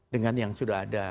dengan yang sudah ada